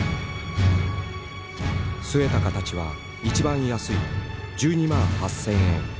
末高たちは一番安い１２万８，０００円。